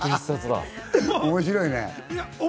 面白いね。